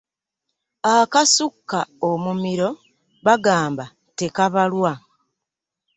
Akasukka omumiro bagamba tekabalwa.